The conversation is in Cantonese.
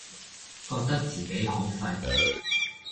覺得自己好廢